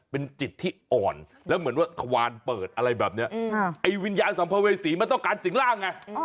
เป็นจิตที่อ่อนแล้วเหมือนว่าทวานเปิดอะไรแบบนี้ไอ้วิญญาณสัมภเวษีมันต้องการสิ่งร่างไง